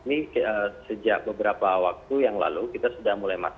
ini sejak beberapa waktu yang lalu kita sudah mulai masuk